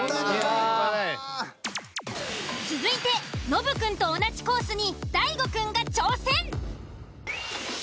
続いてノブくんと同じコースに大悟くんが挑戦！